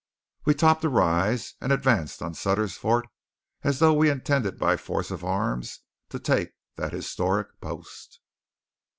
We topped a rise and advanced on Sutter's Fort as though we intended by force and arms to take that historic post.